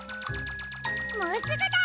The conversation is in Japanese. もうすぐだ！